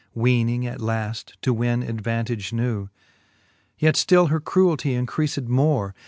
Weening at laft to win advantage new ; Yet ftill her cruel tie increaled more.